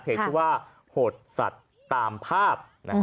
ชื่อว่าโหดสัตว์ตามภาพ